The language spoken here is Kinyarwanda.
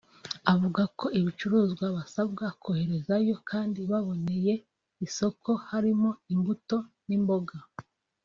Avuga ko ibicuruzwa basabwa koherezayo kandi baboneye isoko harimo imbuto n’imboga